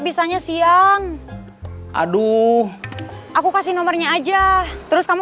bisa dulu obligasi sampai selesai